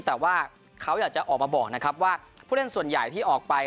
แต่ว่าเขาอยากจะออกมาบอกนะครับว่าผู้เล่นส่วนใหญ่ที่ออกไป